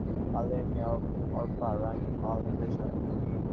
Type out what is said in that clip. শুক্রবার বিকেল চারটার দিকে স্বপন পালের মেয়ে অর্পা রানী পাল নিখোঁজ হয়।